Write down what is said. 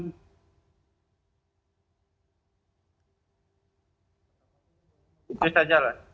itu saja lah